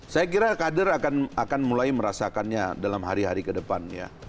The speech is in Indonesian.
saya kira kader akan mulai merasakannya dalam hari hari ke depannya